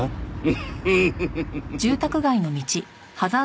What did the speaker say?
フフフフフ。